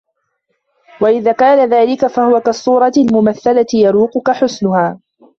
وَإِذَا كَانَ ذَلِكَ فَهُوَ كَالصُّورَةِ الْمُمَثَّلَةِ يَرُوقُك حُسْنُهَا